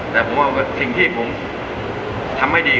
แต่ผมว่าสิ่งที่ผมทำให้ดี